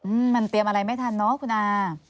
อืมมันเตรียมอะไรไม่ทันเนอะคุณอา